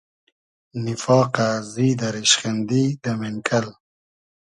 نیفاقۂ ، زیدۂ ، ریشخیندی دۂ مېنکئل